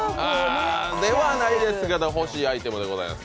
ではないですけど、欲しいアイテムです。